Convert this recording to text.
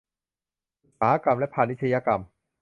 อุตสาหกรรมและพาณิชยกรรม